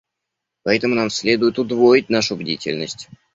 Поэтому нам следует удвоить нашу бдительность.